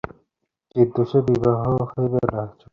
কিন্তু সে বিবাহ হইবে না— চক্রবর্তী।